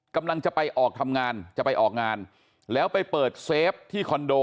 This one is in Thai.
กำลังจะไปออกทำงานจะไปออกงานแล้วไปเปิดเซฟที่คอนโด